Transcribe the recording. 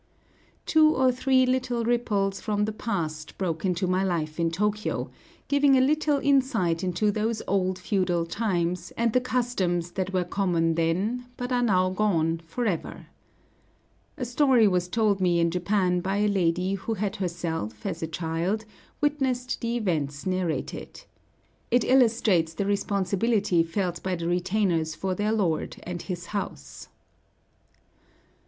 Two or three little ripples from the past broke into my life in Tōkyō, giving a little insight into those old feudal times, and the customs that were common then, but that are now gone forever. A story was told me in Japan by a lady who had herself, as a child, witnessed the events narrated. It illustrates the responsibility felt by the retainers for their lord and his house.